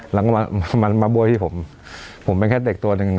แล้วก็มันมาบวยที่ผมผมเป็นแค่เด็กตัวหนึ่ง